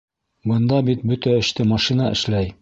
— Бында бит бөтә эште машина эшләй.